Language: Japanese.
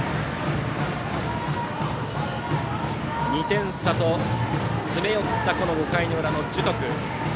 ２点差と詰め寄った５回の裏の樹徳。